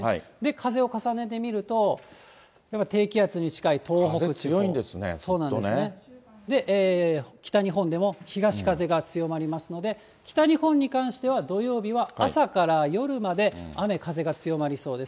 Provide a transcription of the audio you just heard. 風を重ねてみると、低気圧に近い風強いんですね、北日本でも東風が強まりますので、北日本に関しては、土曜日は朝から夜まで雨、風が強まりそうです。